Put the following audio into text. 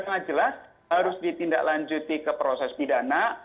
karena jelas harus ditindaklanjuti ke proses pidana